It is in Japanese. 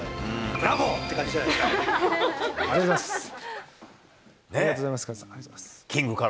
ブラボー！って感じじゃないですか。